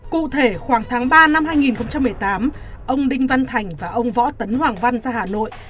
cụ thể khoảng tháng ba năm hai nghìn một mươi tám ông đinh văn thành và ông võ tấn hoàng văn ra hà nội